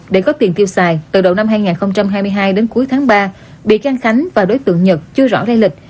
để có tiền tiêu xài từ đầu năm hai nghìn hai mươi hai đến cuối tháng ba bị can khánh và đối tượng nhật chưa rõ ra lịch